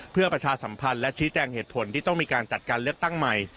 เพื่อประชาสัมพันธ์และชี้แจงเหตุผลที่ต้องมีการจัดการเลือกตั้งใหม่